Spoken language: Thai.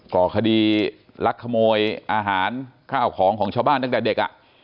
ก่อคดีลักขโมยอาหารข้าวของของชาวบ้านตั้งแต่เด็ก